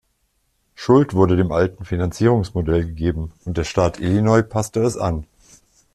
Schuld wurde dem veralteten Finanzierungsmodell gegeben und der Staat Illinois passte es an.